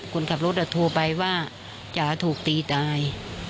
คนขับรถโทรไปว่าจ๋าถูกตีตาย